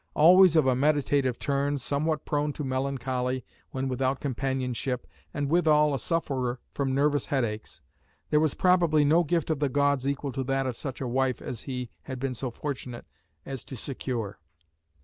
Always of a meditative turn, somewhat prone to melancholy when without companionship, and withal a sufferer from nervous headaches, there was probably no gift of the gods equal to that of such a wife as he had been so fortunate as to secure.